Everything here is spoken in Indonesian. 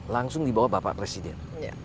langsung di bawah bapak presiden